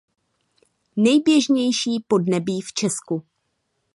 Nejběžnější podnebí v Česku.